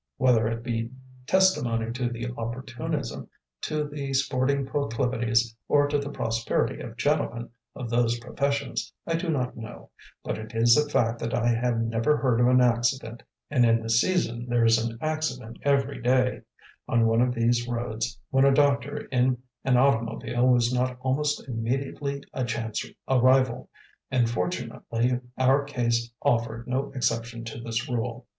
Whether it be testimony to the opportunism, to the sporting proclivities, or to the prosperity of gentlemen of those professions, I do not know, but it is a fact that I have never heard of an accident (and in the season there is an accident every day) on one of these roads when a doctor in an automobile was not almost immediately a chance arrival, and fortunately our case offered no exception to this rule.